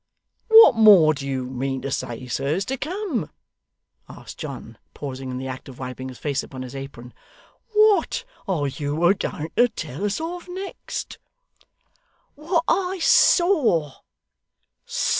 'What more do you mean to say, sir, is to come?' asked John, pausing in the act of wiping his face upon his apron. 'What are you a going to tell us of next?' 'What I saw.